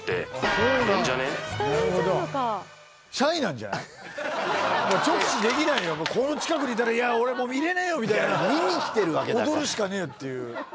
こんな近くにいたら俺もう見れねえよみたいな見に来てるわけだから踊るしかねえっていう